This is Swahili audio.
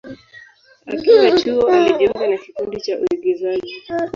Akiwa chuo, alijiunga na kikundi cha uigizaji.